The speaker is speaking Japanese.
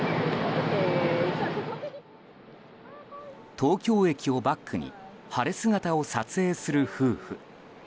東京駅をバックに晴れ姿を撮影する夫婦。